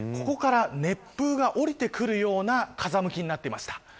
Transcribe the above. ここから熱風が下りてくるような風向きになっていました。